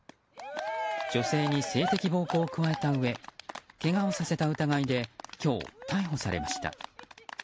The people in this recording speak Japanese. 女性に性的暴行を加えたうえけがをさせた疑いで今日、逮捕されました。